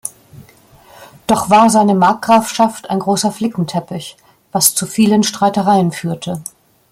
Doch war seine Markgrafschaft ein großer Flickenteppich, was zu vielen Streitereien führte.